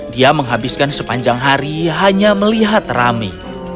dia menghabiskan sepanjang hari hanya melihat rami